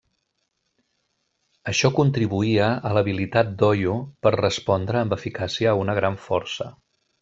Això contribuïa a l'habilitat d'Oyo per respondre amb eficàcia a una gran força.